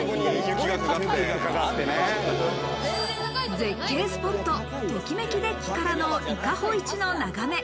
絶景スポット・ときめきデッキからの伊香保イチの眺め。